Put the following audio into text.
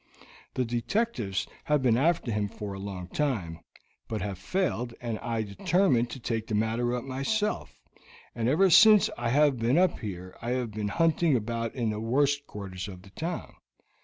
The detectives have been after him for a long time, but have failed, and I determined to take the matter up myself, and ever since I have been up here I have been hunting about in the worst quarters of the town.